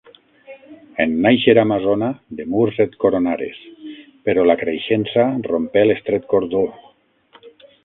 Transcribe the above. En nàixer amazona, de murs et coronares, però la creixença rompé l'estret cordó.